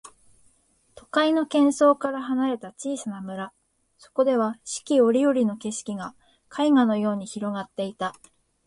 都会の喧騒から離れた小さな村、そこでは四季折々の風景が絵画のように広がっていた。